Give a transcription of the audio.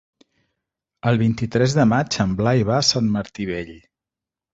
El vint-i-tres de maig en Blai va a Sant Martí Vell.